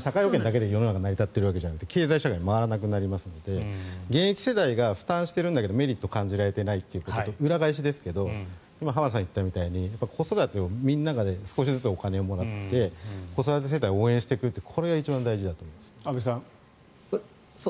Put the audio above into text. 社会保険だけでは経済社会が回らなくなるので現役世代が負担してるんだけどメリットを感じられていないことの裏返しですが浜田さんがおっしゃったように子育てをみんなが少しずつお金をもらって子育て世代を応援していくことが一番大事だと思います。